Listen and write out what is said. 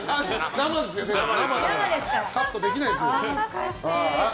生ですよ、カットできないですよ。